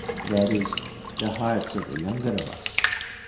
That is, the hearts of the younger of us.